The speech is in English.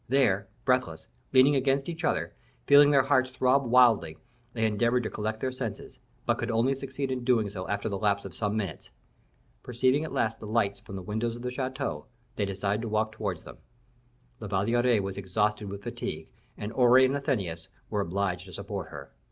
There, breathless, leaning against each other, feeling their hearts throb wildly, they endeavored to collect their senses, but could only succeed in doing so after the lapse of some minutes. Perceiving at last the lights from the windows of the chateau, they decided to walk towards them. La Valliere was exhausted with fatigue, and Aure and Athenais were obliged to support her.